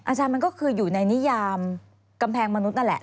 อาจารย์มันก็คืออยู่ในนิยามกำแพงมนุษย์นั่นแหละ